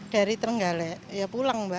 dari trenggalek ya pulang mbak